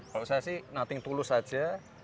kalau saya sih nothing tulus saja